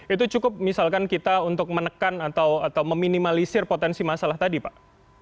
itu cukup misalkan kita untuk menekan atau meminimalisir potensi masalah tadi pak